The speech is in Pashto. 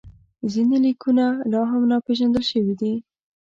ځینې لیکونه لا هم ناپېژندل شوي دي.